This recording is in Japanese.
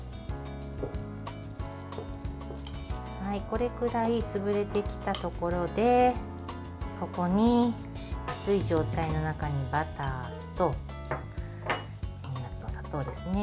これくらい潰れてきたところでここに熱い状態の中にバターと砂糖ですね。